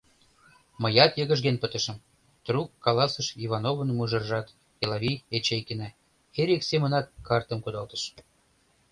— Мыят йыгыжген пытышым! — трук каласыш Ивановын мужыржат, Элавий Эчейкина, Эрик семынак картым кудалтыш.